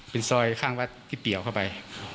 เป็นซอยข้างวัดที่เปลี่ยวเข้าไป